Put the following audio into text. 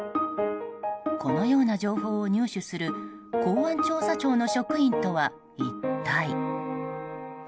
このような情報を入手する公安調査庁の職員とは一体。